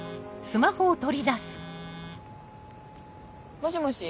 もしもし？